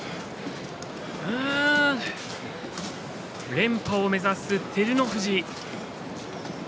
連覇を目指す照ノ富士